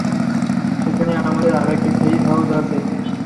সেখানে আমাদের আরেকটি সেইফ হাউজ আছে।